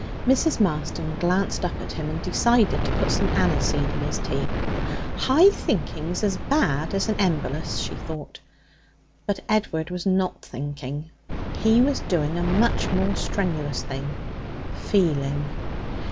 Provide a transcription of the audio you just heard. Mrs. Marston glanced up at him, and decided to put some aniseed in his tea. 'High thinking's as bad as an embolus,' she thought. But Edward was not thinking. He was doing a much more strenuous thing feeling.